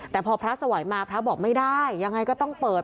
แต่พอพระสวัยมาพระบอกไม่ได้ยังไงก็ต้องเปิด